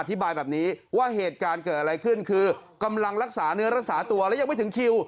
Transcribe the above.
อธิบายแบบนี้ว่าเหตุการณ์เกิดอะไรขึ้นคือกำลังรักษาเนื้อรักษาตัวแล้วยังไม่ถึงคิว